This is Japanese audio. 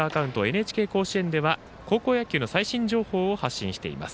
ＮＨＫ甲子園では高校野球の最新情報を発信しています。